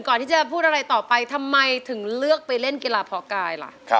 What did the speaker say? ก่อนที่จะพูดอะไรต่อไปทำไมถึงเลือกไปเล่นกีฬาพอกายล่ะ